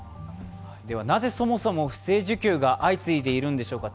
なぜそもそも不正受給が相次いでいるんでしょうか。